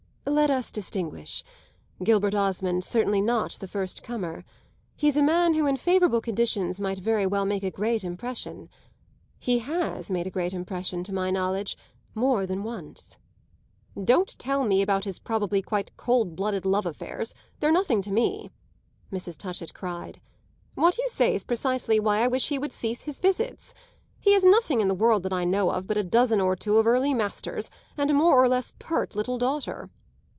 "Let us distinguish. Gilbert Osmond's certainly not the first comer. He's a man who in favourable conditions might very well make a great impression. He has made a great impression, to my knowledge, more than once." "Don't tell me about his probably quite cold blooded love affairs; they're nothing to me!" Mrs. Touchett cried. "What you say's precisely why I wish he would cease his visits. He has nothing in the world that I know of but a dozen or two of early masters and a more or less pert little daughter."